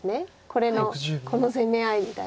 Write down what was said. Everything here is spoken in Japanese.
これのこの攻め合いみたいな。